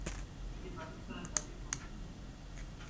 এটি পাকিস্তানের জাতীয় সঙ্গীত।